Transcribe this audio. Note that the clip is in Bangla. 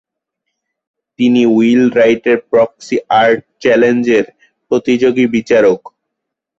তিনি উইল রাইটের প্রক্সি আর্ট চ্যালেঞ্জের প্রতিযোগী বিচারক।